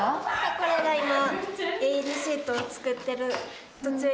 これが今ＡＥＤシートを作ってる途中になります。